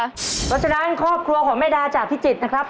เพราะฉะนั้นครอบครัวของแม่ดาจากพิจิตรนะครับ